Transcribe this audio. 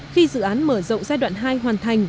khi dự án mở rộng giai đoạn hai hoàn thành